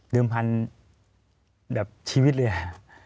เริ่มพันธุ์แบบชีวิตเลย